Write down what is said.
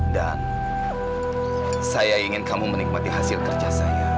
dan saya ingin kamu menikmati hasil kerja saya